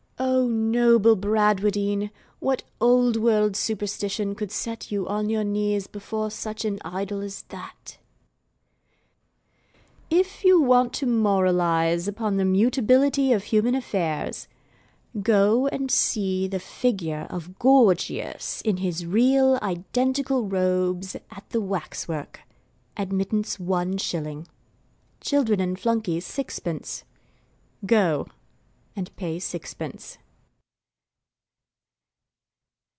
O noble Bradwardine! what old world superstition could set you on your knees before such an idol as that? If you want to moralise upon the mutability of human affairs, go and see the figure of Gorgius in his real, identical robes, at the waxwork. Admittance one shilling. Children and flunkeys sixpence. Go, and pay sixpence.